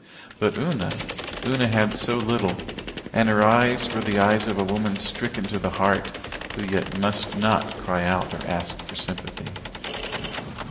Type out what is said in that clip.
But Una Una had so little and her eyes were the eyes of a woman stricken to the heart, who yet must not cry out or ask for sympathy.